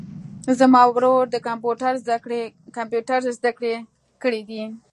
زما ورور د کمپیوټر زده کړي کړیدي